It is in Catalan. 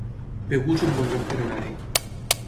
Begur es un bon lloc per anar-hi